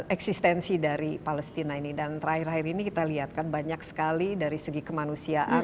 eksistensi dari palestina ini dan terakhir akhir ini kita lihat kan banyak sekali dari segi kemanusiaan